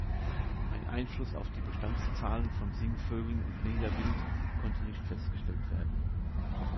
Ein Einfluss auf die Bestandszahlen von Singvögeln und Niederwild konnte nicht festgestellt werden.